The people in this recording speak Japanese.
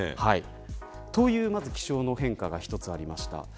という気象の変化が一つありました。